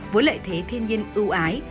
với lợi thế thiên nhiên ưu ái